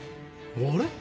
あれ？